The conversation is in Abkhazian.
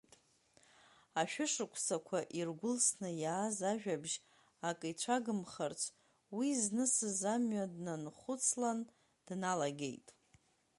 Ашәышықәсақәа иргәылсны иааз ажәабжь акы ицәагымхарц, уи знысыз амҩа днанхәыцлан дналагеит.